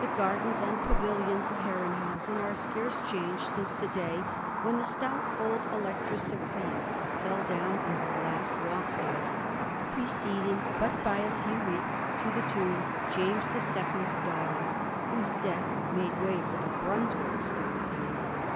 The gardens and pavilions of Herren hausen are scarce changed since the day when the stout old Electress Sophia fell down in her last walk there, preceding but by a few weeks to the tomb James the Second's daughter, whose death made way for the Brunswick Stuarts in England.